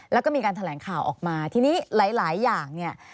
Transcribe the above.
แล้วก็มีการแถลงข่าวออกมาทีนี้หลายอย่างเนี่ย